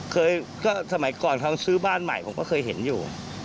เคยก็สมัยก่อนเขาซื้อบ้านใหม่ผมก็เคยเห็นอยู่